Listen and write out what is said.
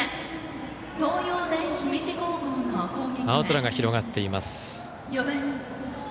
青空が広がっています。